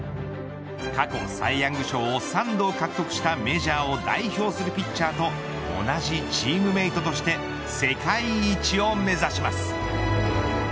過去サイ・ヤング賞を３度獲得したメジャーを代表するピッチャーと同じチームメイトとして世界一を目指します。